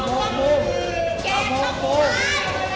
ห่วงแตลรอง